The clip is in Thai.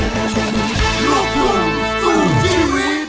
โปรดติดตามตอนต่อไป